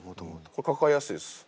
これ抱えやすいです。